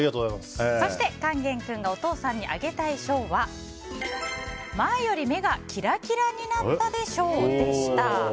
そして、勸玄君がお父さんにあげたい賞は前より目がキラキラになったで賞でした。